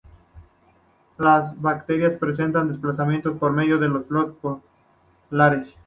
Estas bacterias presentan desplazamiento por medio de flagelos polares.